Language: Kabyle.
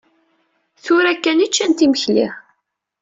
Tura kan i ččant imekli.